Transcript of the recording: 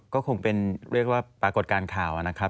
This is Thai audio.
ก็คงเป็นเรียกว่าปรากฏการณ์ข่าวนะครับ